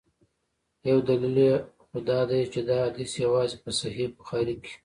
یو دلیل یې خو دا دی چي دا حدیث یوازي په صحیح بخاري کي.